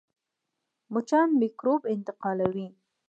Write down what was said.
مچان میکروب انتقالوي